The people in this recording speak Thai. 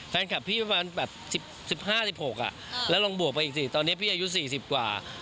แฟนคลับพี่แบบสิบห้าสิบหกอ่ะแล้วลองบวกไปอีกสิตอนเนี้ยพี่อายุสี่สิบกว่า